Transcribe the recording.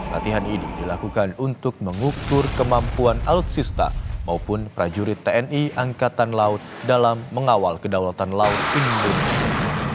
latihan ini dilakukan untuk mengukur kemampuan alutsista maupun prajurit tni angkatan laut dalam mengawal kedaulatan laut indonesia